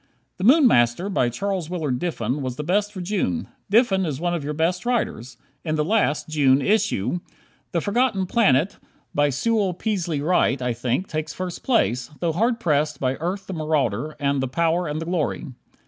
"The Moon Master," by Charles Willard Diffin was the best for June. Diffin is one of your best writers. In the last (July) issue, "The Forgotten Planet," by Sewell Peaslee Wright, I think, takes first place, though hard pressed by "Earth, the Marauder" and "The Power and the Glory."